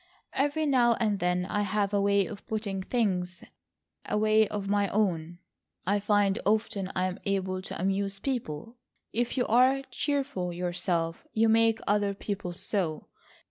"Every now and then I have a way of putting things,—a way of my own. I find often I am able to amuse people, but if you are cheerful yourself, you make other people so.